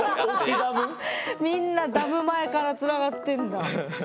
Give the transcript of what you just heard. みんなダム前からつながってんだ。